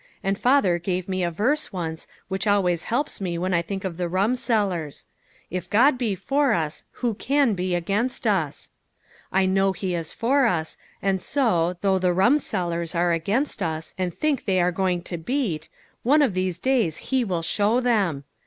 And father gave me a verse once, which always helps me when I think of the rumsellers :* If God be for us, who can be against us !' I know he is for us, and so, though the rumsellers are against us, and think they are going to beat, one of these days he will show them